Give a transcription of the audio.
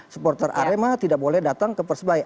supporter arema tidak boleh datang ke persebaya